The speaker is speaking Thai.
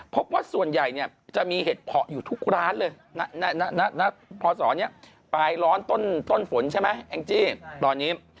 พบว่าส่วนใหญ่เนี่ยจะมีเห็ดเพาะอยู่ทุกร้านเลยณพศนี้ปลายร้อนต้นฝนใช่ไหมแองจี้ตอนนี้